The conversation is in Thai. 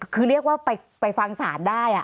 คือเรียกว่าไปฟังศาลได้